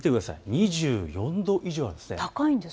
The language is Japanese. ２４度以上あるんです。